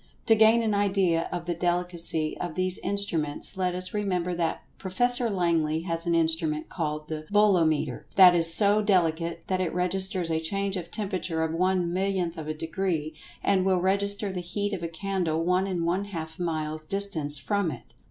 To gain an idea of the delicacy of these instruments, let us remember that Prof. Langley has an instrument called the "Bolometer," that is so delicate that it registers a change of temperature of one millionth of a degree, and will register the heat of a candle one and one half miles distant from it.